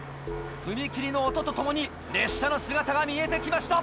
踏切の音とともに列車の姿が見えて来ました。